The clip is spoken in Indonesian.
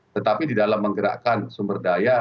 tetapi di dalam menggerakkan sumber daya